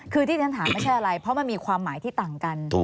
คือที่ฉันถามไม่ใช่อะไรเพราะมันมีความหมายที่ต่างกัน